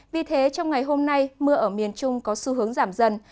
vì thế trong ngày hôm nay mưa ở miền trung có xu hướng giảm dần